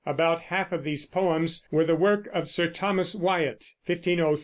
About half of these poems were the work of Sir Thomas Wyatt (1503?